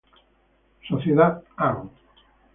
Soc., Ann.